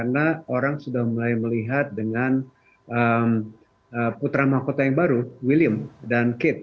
karena orang sudah mulai melihat dengan putra mahkota yang baru william dan kate